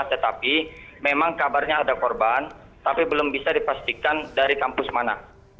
tetapi memang kabarnya ada korban tapi belum bisa dipastikan dari kampus mana